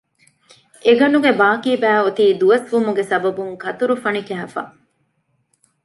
އެ ގަނޑުގެ ބާކީބައި އޮތީ ދުވަސްވުމުގެ ސަބަބުން ކަތުރުފަނި ކައިފަ